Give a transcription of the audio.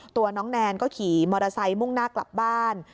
ตัวน้องแนนก็ขี่มอเตอร์ไซค์มุ่งหน้ากลับบ้าน